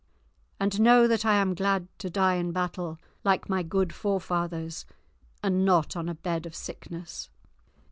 And know that I am glad to die in battle, like my good forefathers, and not on a bed of sickness."